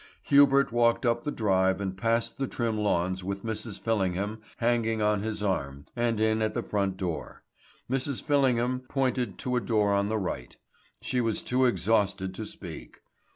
Hubert walked up the drive and past the trim lawns with Mrs. Fillingham hanging on his arm, and in at the front door. Mrs. Fillingham pointed to a door on the right. She was too exhausted to speak.